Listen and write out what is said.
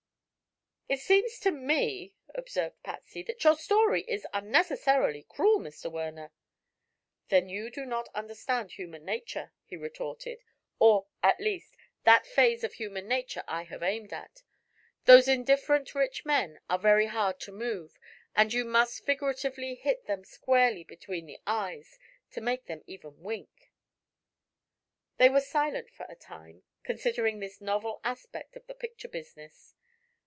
"It seems to me," observed Patsy, "that your story is unnecessarily cruel, Mr. Werner." "Then you do not understand human nature," he retorted; "or, at least, that phase of human nature I have aimed at. Those indifferent rich men are very hard to move and you must figuratively hit them squarely between the eyes to make them even wink." They were silent for a time, considering this novel aspect of the picture business.